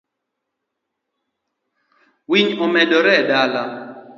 Winy omedore e dala.